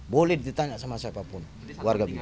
boleh ditanya sama siapapun warga bisa